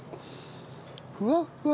ふわっふわ。